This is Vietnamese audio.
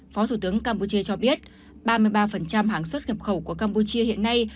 phó thủ tướng campuchia cho biết ba mươi ba hàng xuất nhập khẩu của campuchia hiện nay